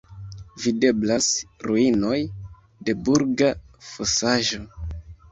Videblas ruinoj de burga fosaĵo.